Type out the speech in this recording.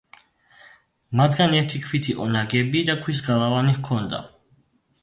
მათგან ერთი ქვით იყო ნაგები და ქვის გალავანი ჰქონდა.